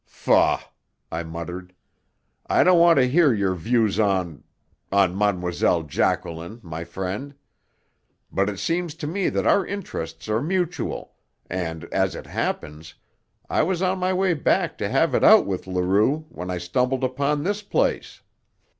"Faugh!" I muttered. "I don't want to hear your views on on Mlle. Jacqueline, my friend. But it seems to me that our interests are mutual, and, as it happens, I was on my way back to have it out with Leroux when I stumbled upon this place."